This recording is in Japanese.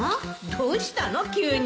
どうしたの急に。